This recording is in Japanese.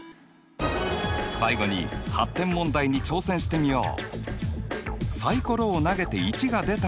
最後に発展問題に挑戦してみよう。